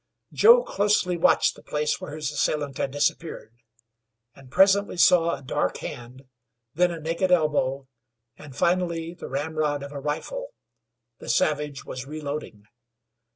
Joe closely watched the place where his assailant had disappeared, and presently saw a dark hand, then a naked elbow, and finally the ramrod of a rifle. The savage was reloading.